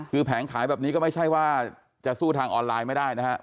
คือแผงขายแบบนี้ก็ไม่ใช่ว่าจะสู้ทางออนไลน์ไม่ได้นะฮะ